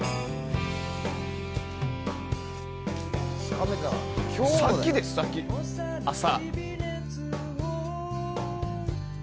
さっきです、さっき、朝。